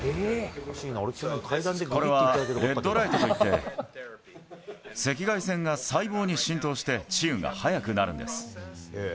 これはレッドライトと言って、赤外線が細胞に浸透して、治癒が早くなるんです。